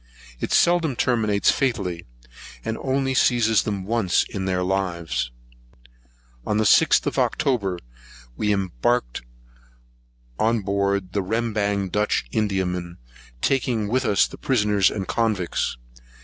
It seldom terminates fatally, and only seizes them once in their lives.[165 1] On the 6th of October, we embarked on board the Rembang Dutch Indiaman, taking with us the prisoners and convicts.